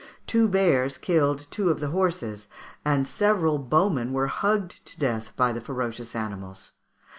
Two bears killed two of the horses, and several bowmen were hugged to death by the ferocious animals.